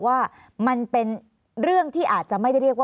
ภารกิจสรรค์ภารกิจสรรค์